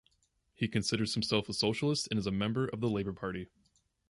He considers himself a socialist and is a member of the Labour Party.